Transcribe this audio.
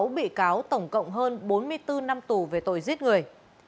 sáu bị cáo tổng cộng hơn bốn mươi bốn năm tù về tội giết người